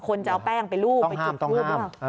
คนจะเอาแป้งไปลูบไปจุดรูปต้องห้าม